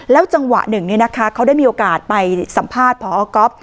จังหวะหนึ่งเขาได้มีโอกาสไปสัมภาษณ์พอก๊อฟ